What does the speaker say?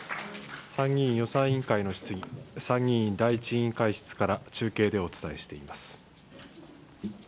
参議院予算委員会の質疑、参議院第１委員会室から中継でお伝えしています。